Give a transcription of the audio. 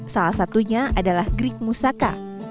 salah satunya adalah greek moussaka